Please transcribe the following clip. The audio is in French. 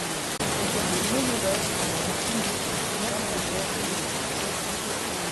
Le monologue est la fumée des feux intérieurs de l’esprit.